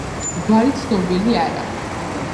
გვარი ცნობილი არაა.